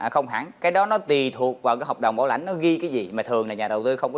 không hẳn cái đó nó tùy thuộc vào cái hợp đồng bảo lãnh nó ghi cái gì mà thường là nhà đầu tư không có